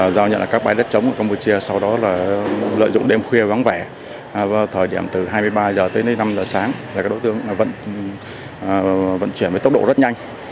giờ tới đến năm giờ sáng các đối tượng vẫn chuyển với tốc độ rất nhanh